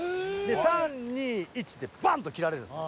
３２１でバンッと切られるんです。